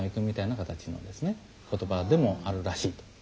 言葉でもあるらしいと。